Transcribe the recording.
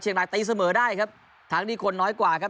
เชียงรายตีเสมอได้ครับทางนี้คนน้อยกว่าครับ